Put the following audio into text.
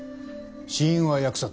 死因は扼殺。